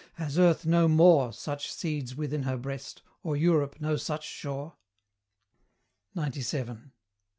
Has Earth no more Such seeds within her breast, or Europe no such shore? XCVII.